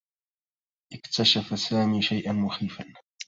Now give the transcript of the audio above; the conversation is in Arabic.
اكتشف سامي شيئا مخيفا